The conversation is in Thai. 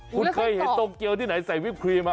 คุณเคยเห็นโตเกียวที่ไหนใส่วิปครีมา